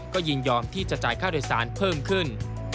ก็ยินยอมที่จะจ่ายค่าโดยสารเพิ่มขึ้น